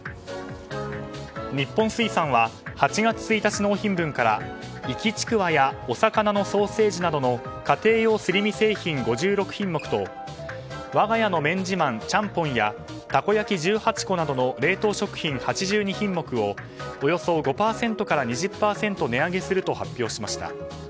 日本水産は８月１日納品分から活ちくわやおさかなのソーセージなどの家庭用すり身製品５６品目とわが家の麺自慢ちゃんぽんやたこ焼き１８個などの冷凍食品８２品目をおよそ５％から２０％値上げすると発表しました。